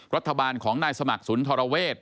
รัฐบาลของนายสมัครศูนย์ธราเวทย์